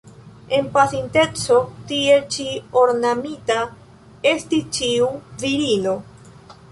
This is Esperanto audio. En pasinteco tiel ĉi ornamita estis ĉiu virino.